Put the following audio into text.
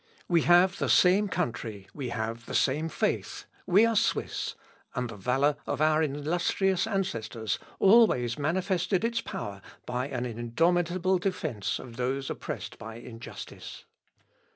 We have the same country, we have the same faith, we are Swiss, and the valour of our illustrious ancestors always manifested its power by an indomitable defence of those oppressed by injustice."